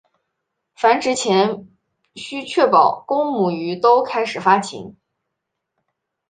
繁殖前须确保公母鱼都开始发情。